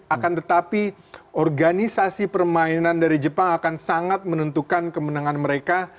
akan tetapi organisasi permainan dari jepang akan sangat menentukan kemenangan mereka